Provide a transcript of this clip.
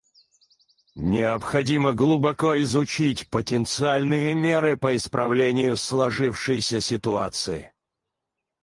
Необходимо глубоко изучить потенциальные меры по исправлению сложившейся ситуации.